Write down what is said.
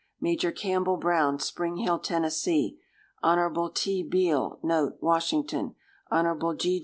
Major Campbell Brown, Spring Hill, Tenn. Hon. T. Beal,* Washington. Hon.